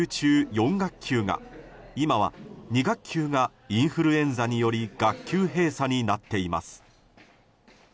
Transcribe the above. ４学級が今は２学級がインフルエンザにより学級閉鎖になっています。